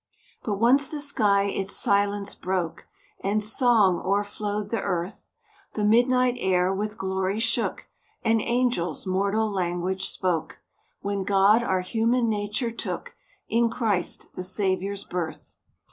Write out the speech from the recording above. But once the sky its silence broke, And song o'erflowed the earth; The midnight air with glory shook, And angels mortal language spoke, When God our human nature took In Christ the Savior's birth.